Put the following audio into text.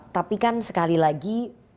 tapi kan sekali lagi